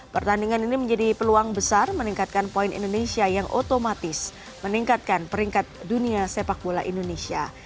pertandingan ini menjadi peluang besar meningkatkan poin indonesia yang otomatis meningkatkan peringkat dunia sepak bola indonesia